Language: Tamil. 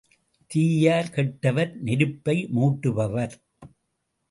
தீயார் கெட்டவர் நெருப்பை மூட்டுபவர்.